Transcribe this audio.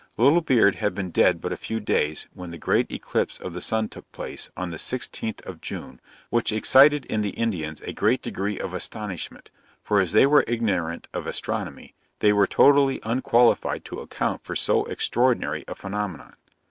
Little Beard had been dead but a few days when the great eclipse of the sun took place, on the sixteenth of June, which excited in the Indians a great degree of astonishment; for as they were ignorant of astronomy, they were totally unqualified to account for so extraordinary a phenomenon.